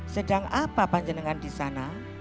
sedang apa panjenengan disana